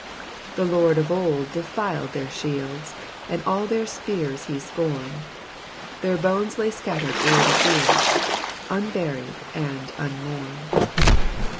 The Lord of old defiled their shields, And all their spears he scom'd ; Their bones lay scatter'd o'er the fields, Unburied and unmoum'd.